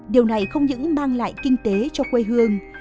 điều này không những mang lại kinh tế cho quê hương